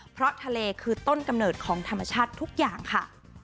เพราะทะเลคือต้นกำเนิดของธรรมชาติทุกอย่างค่ะ